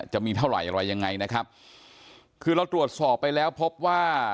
จะมีเท่าไหร่อะไรยังไงนะครับคือเราตรวจสอบไปแล้วพบว่า